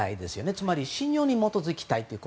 つまり、信用に基づきたいと。